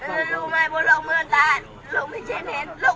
เข้าเข้าเฉยไหม